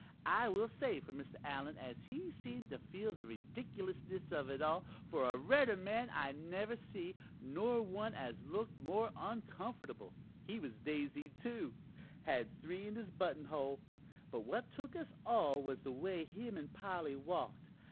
I will say for Mr. Allen as he seemed to feel the ridiculousness of it all, for a redder man I never see, nor one as looked more uncomfortable. He was daisied, too had three in his button hole; but what took us all was the way him an' Polly walked.